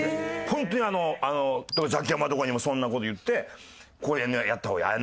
ホントにザキヤマとかにもそんな事言って「これやった方がいい」